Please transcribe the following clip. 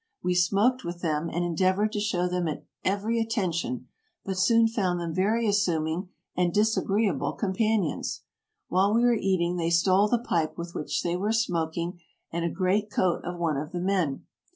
We smoked with them and endeavored to show them every at tention, but soon found them very assuming and disagree able companions. While we were eating they stole the pipe with which they were smoking and a great coat of one of the men.